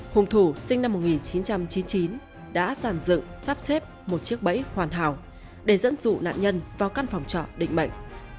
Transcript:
hùng thủ sinh năm một nghìn chín trăm chín mươi chín đã sản dựng sắp xếp một chiếc bẫy hoàn hảo để dẫn dụ nạn nhân vào căn phòng trọ định mệnh